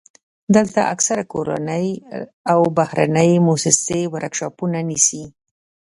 دلته اکثره کورنۍ او بهرنۍ موسسې ورکشاپونه نیسي.